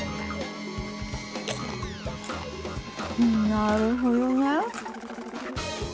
なるほどね。